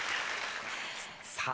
さあ。